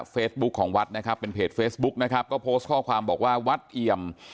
เฟซบุ๊คของวัดนะครับเป็นเพจเฟซบุ๊กนะครับก็โพสต์ข้อความบอกว่าวัดเอี่ยม